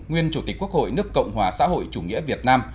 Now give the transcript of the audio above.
nguyên chủ tịch quốc hội nước cộng hòa xã hội chủ nghĩa việt nam